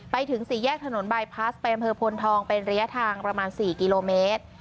ไปถึงสี่แยกถนนบายพลัสไปอำเภอพลทองเป็นระยะทางประมาณ๔กิโลเมตร